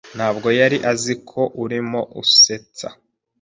ntabwo yari azi ko urimo usetsa.